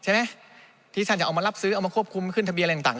ใช่ไหมที่ท่านจะเอามารับซื้อเอามาควบคุมขึ้นทะเบียนอะไรต่าง